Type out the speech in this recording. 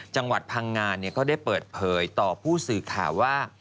จังหวัดพังงานก็ได้เปิดเผยต่อผู้สื่อข่าวว่า